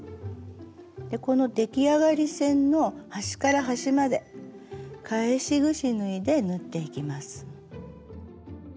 この出来上がり線の端から端まで返しぐし縫いで縫っていきます。